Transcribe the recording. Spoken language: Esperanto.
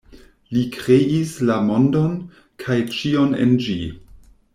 Li kreis la mondon, kaj ĉion en ĝi.